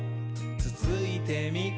つついてみ？」